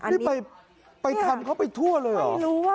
นี่ไปทันเขาไปทั่วเลยเหรอ